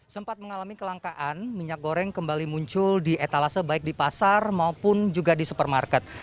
sempat mengalami kelangkaan minyak goreng kembali muncul di etalase baik di pasar maupun juga di supermarket